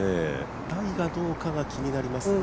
ライがどうかが気になりますが。